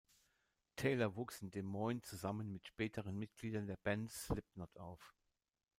Taylor wuchs in Des Moines zusammen mit späteren Mitgliedern der Band Slipknot auf.